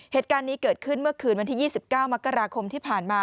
เหตุการณ์นี้เกิดขึ้นเมื่อคืนวันที่๒๙มกราคมที่ผ่านมา